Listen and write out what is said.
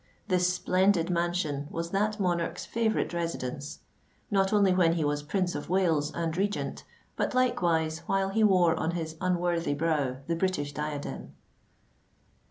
This splendid mansion was that monarch's favourite residence—not only when he was Prince of Wales and Regent, but likewise while he wore on his unworthy brow the British diadem.